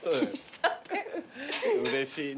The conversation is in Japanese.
うれしいね。